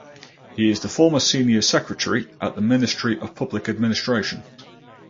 He is the former Senior Secretary at the Ministry of Public Administration.